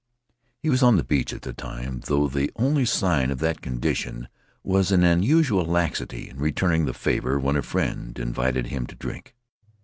He was on the beach at the time, though the only sign of that condition was an unusual laxity in returning the favor when a friend invited him to drink.